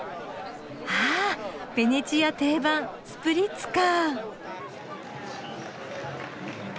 あベネチア定番スプリッツか。